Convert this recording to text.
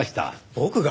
僕が？